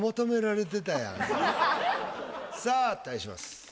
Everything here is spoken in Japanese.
さあ対します